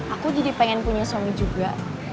aku jadi pengen punya suami juga